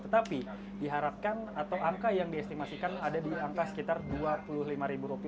tetapi diharapkan atau angka yang diestimasikan ada di angka sekitar rp dua puluh lima